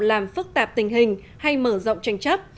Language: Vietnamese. làm phức tạp tình hình hay mở rộng tranh chấp